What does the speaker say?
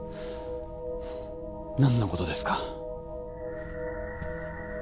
何のことですか？